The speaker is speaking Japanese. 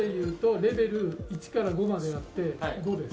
レベル１から５まであって５です。